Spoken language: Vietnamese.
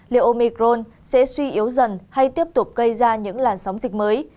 liệu omicron sẽ suy yếu dần hay tiếp tục gây ra những làn sóng dịch mới